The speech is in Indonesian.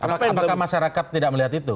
apakah masyarakat tidak melihat itu